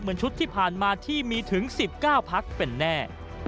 ชุดที่ผ่านมาที่มีถึง๑๙พักเป็นแน่